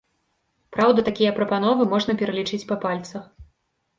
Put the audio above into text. Праўда, такія прапановы можна пералічыць па пальцах.